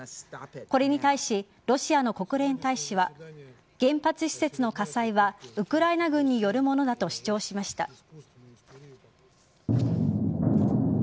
これに対し、ロシアの国連大使は原発施設の火災はウクライナ軍によるものだと主張しました。